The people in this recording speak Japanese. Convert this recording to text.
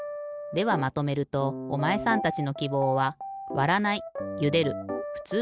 ではまとめるとおまえさんたちのきぼうはだな？